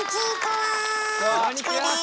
チコです。